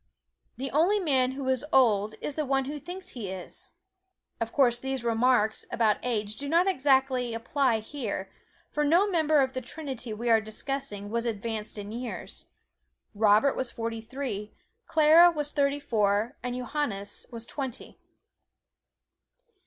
The only man who is old is the one who thinks he is. Of course these remarks about age do not exactly apply just here, for no member of the trinity we are discussing was advanced in years. Robert was forty three, Clara was thirty four, and Johannes was twenty.